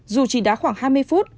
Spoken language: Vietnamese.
dù chỉ đá khoảng hai mươi phút